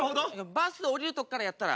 バス降りるところからやったら？